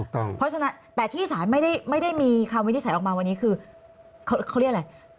แต่ที่ศาลไม่ได้มีคำวินิจฉัยออกมากวันนี้คือเขาเรียกอะไร